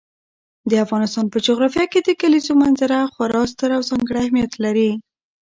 د افغانستان په جغرافیه کې د کلیزو منظره خورا ستر او ځانګړی اهمیت لري.